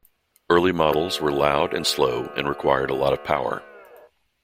Early models were loud and slow, and required a lot of power.